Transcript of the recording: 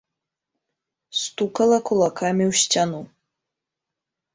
Стукала кулакамі ў сцяну.